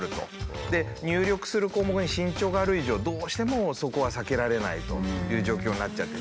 で入力する項目に「身長」がある以上どうしてもそこは避けられないという状況になっちゃってて。